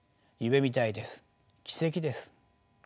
夢みたいです奇跡です。